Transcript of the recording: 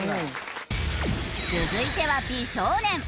続いては美少年。